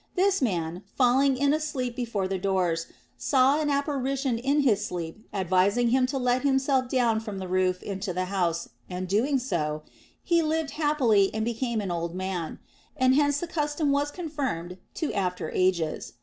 This man, falling in a sleep before the doors, saw an apparition in his sleep advising him to let himself down from the roof into the house, and doing so, he lived happily and became an old man ; and hence the custom was confirmed to after ages.